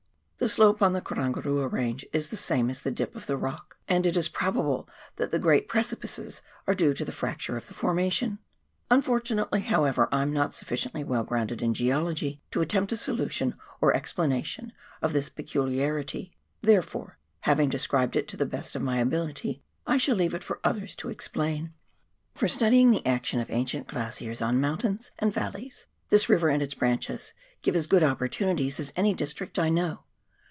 The slope on the Karangarua Range is the same as the dip of the rock, and it is probable that the great precipices are due to the fracture of the formation. Unfortunately, however, I am not sufficiently well grounded in geology to attempt a solution or explanation of this peculiarity, therefore, having described it to the best of my ability, I shall leave it for others to explain. For studying the action of ancient glaciers on mountains and valleys, this river and its branches give as good opportu nities as any district I know.